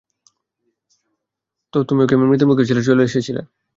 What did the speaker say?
তো তুমি ওকে মৃত্যুর মুখে ছেড়ে চলে এসেছিলে।